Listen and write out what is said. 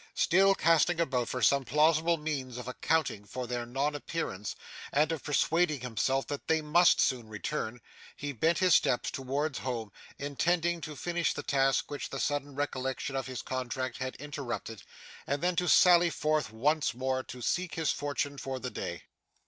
Still casting about for some plausible means of accounting for their non appearance, and of persuading himself that they must soon return, he bent his steps towards home, intending to finish the task which the sudden recollection of his contract had interrupted, and then to sally forth once more to seek his fortune for the day.